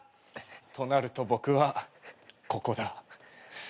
となると僕はここだ。